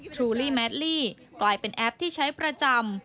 ทรูลี่แมดลี่กลายเป็นแอปที่ใช้ประจำ